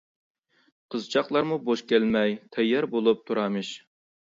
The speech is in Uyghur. قىزچاقلارمۇ بوش كەلمەي، تەييار بولۇپ تۇرارمىش.